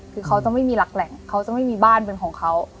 คือเขาจะไม่มีหลักแหล่งเขาจะไม่มีบ้านเป็นของเขา